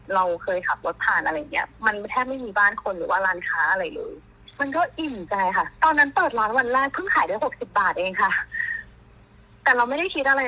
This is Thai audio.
เราเคยขับรถผ่านอะไรอย่างเงี้ย